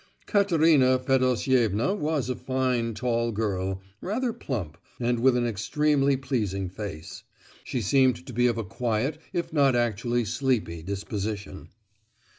Katerina Fedosievna was a fine tall girl, rather plump, and with an extremely pleasing face. She seemed to be of a quiet, if not actually sleepy, disposition.